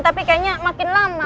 tapi sepertinya makin lama